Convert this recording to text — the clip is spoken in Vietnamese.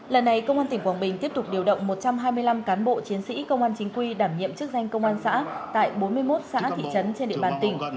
lần này công an tỉnh quảng bình tiếp tục điều động một trăm hai mươi năm cán bộ chiến sĩ công an chính quy đảm nhiệm chức danh công an xã tại bốn mươi một xã thị trấn trên địa bàn tỉnh